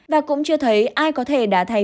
và cũng chưa thấy ai có thể đá thay